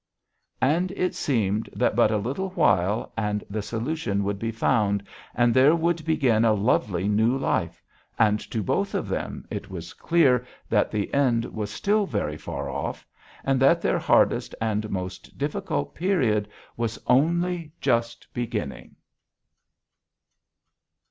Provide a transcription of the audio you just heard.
And it seemed that but a little while and the solution would be found and there would begin a lovely new life; and to both of them it was clear that the end was still very far off, and that their hardest and most difficult period was only just beginning.